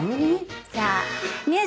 じゃあ。